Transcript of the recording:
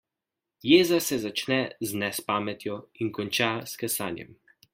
Jeza se začne z nespametjo in konča s kesanjem.